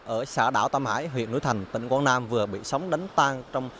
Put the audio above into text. ở xã đảo tam hải huyện núi thành tỉnh quảng nam vừa bị sóng đánh tan trong